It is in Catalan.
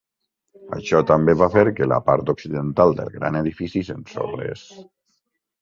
Això també va fer que la part occidental del gran edifici s'ensorrés.